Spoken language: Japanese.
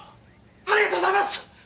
ありがとうございます！